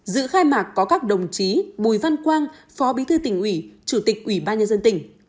dự khai mạc có các đồng chí bùi văn quang phó bí thư tỉnh ủy chủ tịch ủy ban nhân dân tỉnh